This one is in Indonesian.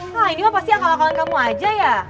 nah ini mah pasti akal akalan kamu aja ya